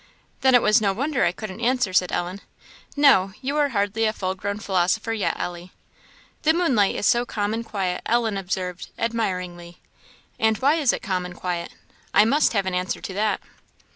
"Then it was no wonder I couldn't answer," said Ellen. "No; you are hardly a full grown philosopher yet, Ellie." "The moonlight is so calm and quiet," Ellen observed, admiringly. "And why is it calm and quiet? I must have an answer to that."